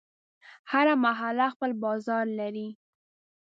هره محله خپل بازار لري.